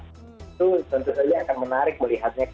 itu tentu saja akan menarik melihatnya